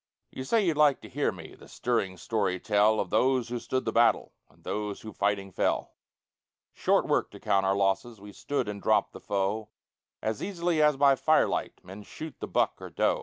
You say you'd like to hear me The stirring story tell, Of those who stood the battle And those who fighting fell. Short work to count our losses We stood and dropped the foe As easily as by firelight Men shoot the buck or doe.